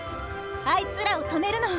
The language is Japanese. あいつらを止めるの！